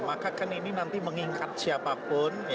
maka kan ini nanti mengingat siapapun